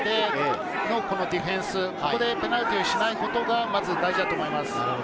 ここでペナルティーをしないことがまず大事だと思います。